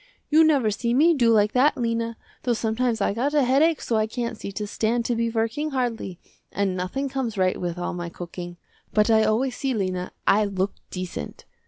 You never see me do like that Lena, though sometimes I got a headache so I can't see to stand to be working hardly, and nothing comes right with all my cooking, but I always see Lena, I look decent.